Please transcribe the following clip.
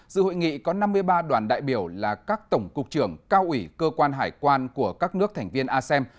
dự hội nghị có năm mươi ba đoàn đại biểu là các tổng cục trưởng cao ủy cơ quan hải quan của các nước thành viên asem